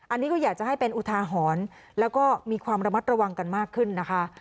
อันนี้ก็อยากจะให้เป็นอุทาหรณ์แล้วก็มีความระมัดระวังกันมากขึ้นนะคะ